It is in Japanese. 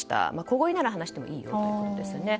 小声なら話してもいいということですね。